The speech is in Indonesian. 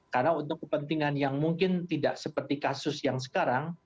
karena untuk kepentingan yang mungkin tidak seperti kasus yang sekarang